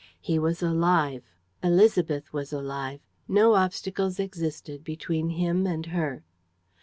He was alive. Élisabeth was alive. No obstacles existed between him and her.